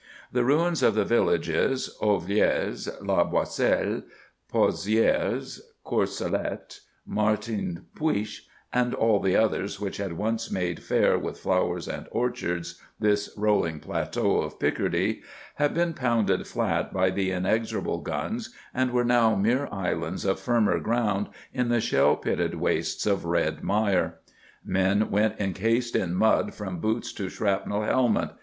The ruins of the villages—Ovillers, La Boisselle, Pozières, Courcelette, Martinpuich, and all the others which had once made fair with flowers and orchards this rolling plateau of Picardy—had been pounded flat by the inexorable guns, and were now mere islands of firmer ground in the shell pitted wastes of red mire. Men went encased in mud from boots to shrapnel helmet.